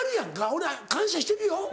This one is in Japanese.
俺感謝してるよ。